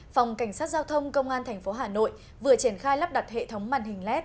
phòng cảnh sát giao thông công an tp hà nội vừa triển khai lắp đặt hệ thống màn hình led